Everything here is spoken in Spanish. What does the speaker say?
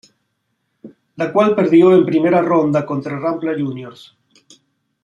La cual perdió en primera ronda contra Rampla Juniors.